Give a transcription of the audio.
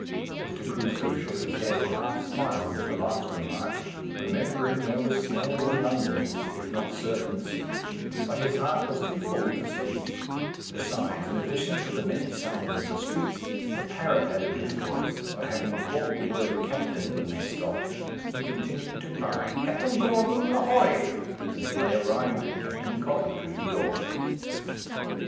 Mr. Crusoe shook his head, and half smiled at the last remark, remembering there were snares in London, if not serpents; but his heart was too full to speak; besides, in addition to the many sounds of the streets, the parrot added his voice, for having caught the word captain, when they stopped, he continued to cry, "Captain Gordon, ahoy!" till they arrived at Captain Coventry's door.